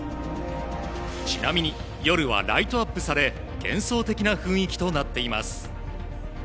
ちなみに、夜はライトアップされ幻想的な雰囲気となっています。